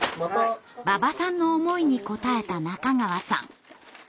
馬場さんの思いに応えた中川さん。